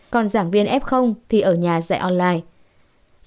còn giảng viên f thì ở nhà dạy online